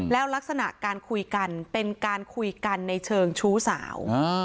แล้วลักษณะการคุยกันเป็นการคุยกันในเชิงชู้สาว